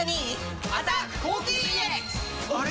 あれ？